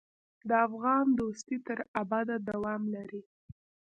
د افغان دوستي تر ابده دوام لري.